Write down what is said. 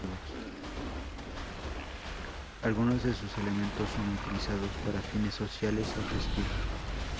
Algunos de sus elementos son utilizados para fines sociales o festivos.